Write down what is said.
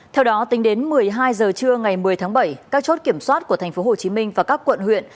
theo đó tính đến một mươi hai h trưa ngày một mươi tháng bảy các chốt kiểm soát của tp hcm và các quận huyện